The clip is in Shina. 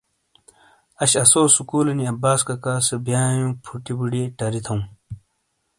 اش آسو سکولینی عباس ککاسے بیائنیوں پھوٹیے پوری ٹری تھوں۔